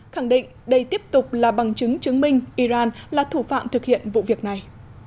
khẳng định đây tiếp tục là bằng chứng chứng minh iran là thủ phạm thực hiện vụ việc này